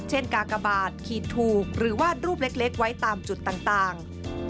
กากบาทขีดถูกหรือวาดรูปเล็กไว้ตามจุดต่าง